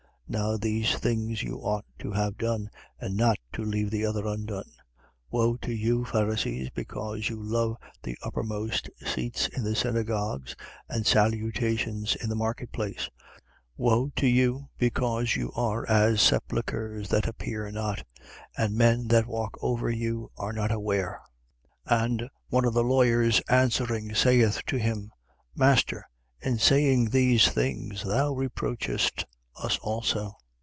Now these things you ought to have done, and not to leave the other undone. 11:43. Woe to you, Pharisees, because you love the uppermost seats in the synagogues and salutations in the marketplace. 11:44. Woe to you, because you are as sepulchres that appear not: and men that walk over are not aware. 11:45. And one of the lawyers answering, saith to him: Master, in saying these things, thou reproachest us also.